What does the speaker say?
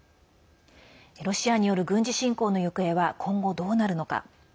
ロシアによる軍事侵攻の行方は今後どうなるのか。